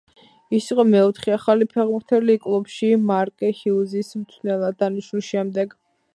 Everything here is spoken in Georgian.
ის იყო მეოთხე ახალი ფეხბურთელი კლუბში მარკ ჰიუზის მწვრთნელად დანიშვნის შემდეგ.